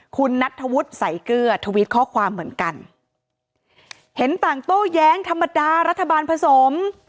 คุณนัทธวุฒิใส่เกลือทวิตข้อความเหมือนกันเห็นต่างโต้แย้งธรรมดารัฐบาลผสม